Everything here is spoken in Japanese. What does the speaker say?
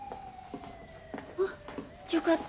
あっよかった